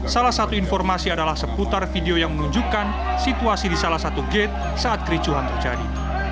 salah satu informasi adalah seputar video yang menunjukkan situasi di salah satu gate saat kericuhan terjadi